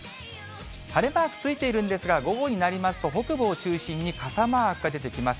晴れマークついているんですが、午後になりますと、北部を中心に傘マークが出てきます。